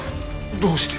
どうして？